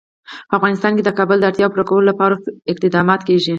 په افغانستان کې د کابل د اړتیاوو پوره کولو لپاره اقدامات کېږي.